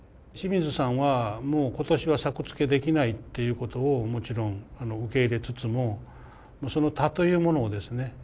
清水さんはもう今年は作付けできないということをもちろん受け入れつつもその田というものをですね